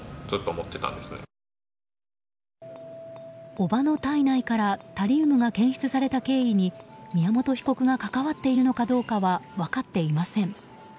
叔母の体内からタリウムが検出された経緯に宮本被告が関わっているのかどうかは分かっていません。